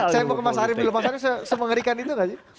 saya mau ke mas arief dulu mas arief semengerikan itu nggak sih